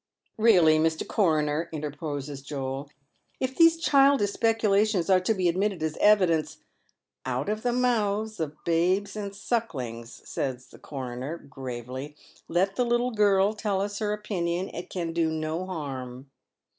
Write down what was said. " Eeally, Mr. Coroner," interposes Joel, " if these childish specu lations are to be admitted as evidence ""' Out of the mouths of babes and sucklings,' " says the coroner, gravely. " Let the little girl tell us her opinion. It can do no harm.